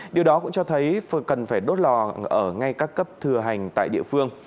điều đó cũng cho thấy phường cần phải đốt lò ở ngay các cấp thừa hành tại địa phương